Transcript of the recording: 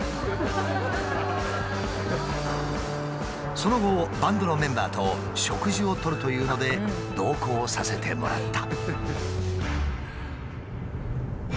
その後バンドのメンバーと食事をとるというので同行させてもらった。